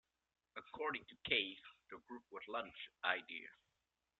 According to Cave, the group was Lunch's idea.